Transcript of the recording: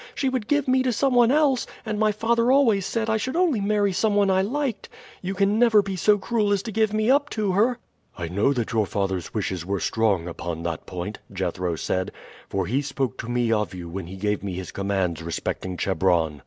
She would give me to some one else, and my father always said I should only marry some one I liked. You can never be so cruel as to give me up to her?" "I know that your father's wishes were strong upon that point," Jethro said; "for he spoke to me of you when he gave me his commands respecting Chebron.